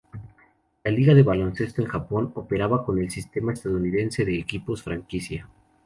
La Liga de Baloncesto en Japón operaba con el sistema estadounidense de equipos franquicia.